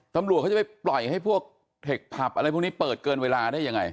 ตำรวจเขาจะไปปล่อยให้พวกเทคผับอะไรพวกนี้เปิดเกินเวลาได้ยังไง